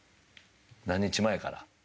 何日前から？